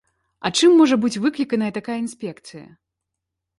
А чым можа быць выкліканая такая інспекцыя?